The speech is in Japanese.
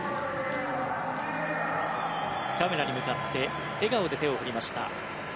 カメラに向かって笑顔で手を振りました。